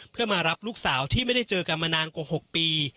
เพื่อมารับลูกสาวที่ไม่ได้เจอกันมานานกว่า๖ปี